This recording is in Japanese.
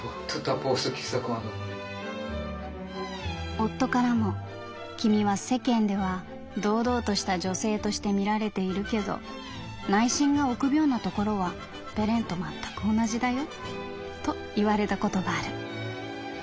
「夫からも『君は世間では堂々とした女性として見られているけど内心が臆病なところはベレンと全く同じだよ』と言われたことがある」。